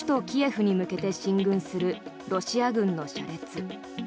キエフに向けて進軍するロシア軍の車列。